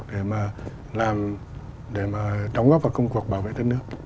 để mà đóng góp vào công cuộc bảo vệ đất nước